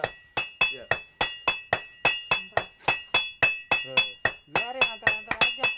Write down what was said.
biar ya ngantar ngantar aja